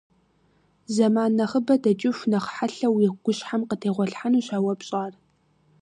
Зэман нэхъыбэ дэкӀыху нэхъ хьэлъэу уи гущхьэм къытегъуэлъхьэнущ а уэ пщӀар.